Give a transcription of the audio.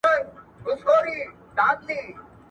ایا نوي کروندګر بادام ساتي؟